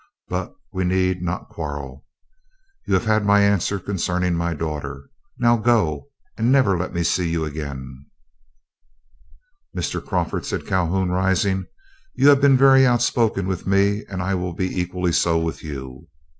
But we need not quarrel. You have had my answer concerning my daughter. Now go, and never let me see you again." "Mr. Crawford," said Calhoun, rising, "you have been very outspoken with me, and I will be equally so with you.